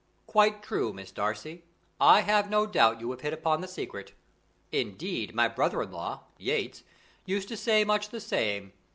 "Quite true, Miss Darcy; I have no doubt you have hit upon the secret. Indeed, my brother in law, Yates, used to say much the same.